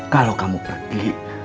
kalau kamu pergi